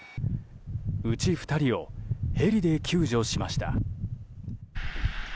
うち２人をヘリで救助しました。